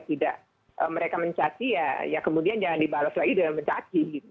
tidak mereka mencari ya kemudian jangan dibalas lagi dengan mencari gitu